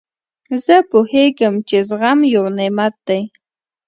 زه پوهېږم، چي زغم یو نعمت دئ.